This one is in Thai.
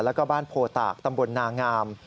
แล้วก็บ้านโพตากตำบลนางาม